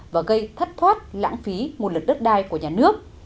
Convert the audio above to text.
và gây thất thoát lãng phí nguồn lực đất đai của nhà nước